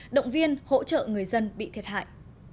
động viên hỗ trợ người dân bị thiệt hại